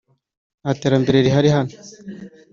nta terambere rihari hano